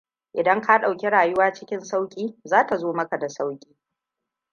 Idan ka ɗauki rayuwa cikin sauƙi za ta zo maka da sauƙi.